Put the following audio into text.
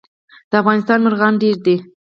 د افغانستان مرغان ډیر دي